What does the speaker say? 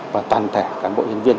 và toàn thể cán bộ nhân viên